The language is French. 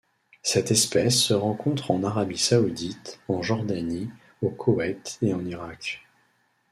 Cette espèce se rencontre en Arabie saoudite, en Jordanie, au Koweït et en Irak.